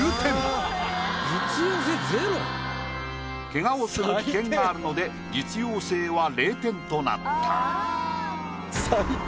ケガをする危険があるので実用性は０点となった。